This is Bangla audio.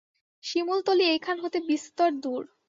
শিমুলতলি এখান হইতে বিস্তর দূর।